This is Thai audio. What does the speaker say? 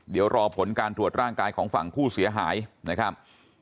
เดี๋ยวรอผลการตรวจร่างกายของฝั่งผู้เสียหายนะครับ